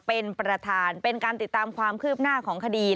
เป็นประธานเป็นการติดตามความคืบหน้าของคดี